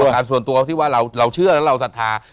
การส่วนตัวที่ว่าเราเชื่อแล้วเราศรัทธา